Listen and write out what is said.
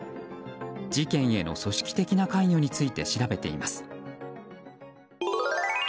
事件への組織的な関与について調べています。